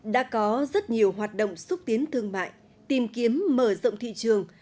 đã có rất nhiều hoạt động xúc tiến thương mại tìm kiếm mở rộng thị trường